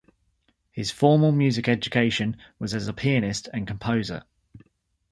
His formal music education was as a pianist and composer.